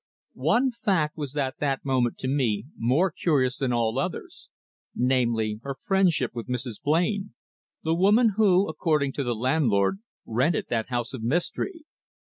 One fact was at that moment to me more curious than all others, namely, her friendship with Mrs. Blain, the woman who, according to the landlord, rented that house of mystery.